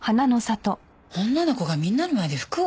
女の子がみんなの前で服を？